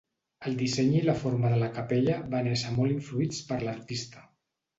El disseny i la forma de la capella van ésser molt influïts per l'artista.